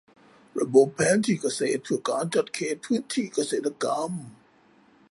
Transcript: ระบบแผนที่เกษตรเพื่อการจัดเขตพื้นที่เกษตรกรรม